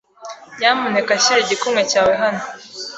Nyamuneka shyira igikumwe cyawe hano.